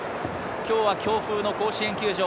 今日は強風の甲子園球場。